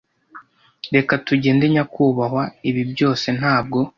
reka tugende nyakubahwa ibi byose ntabwo